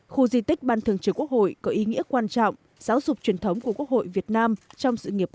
khu di tích ban thường trực quốc hội có ý nghĩa quan trọng